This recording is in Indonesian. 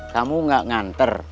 kamu gak nganter